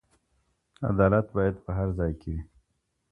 عدالت بايد په هر ځای کي وي.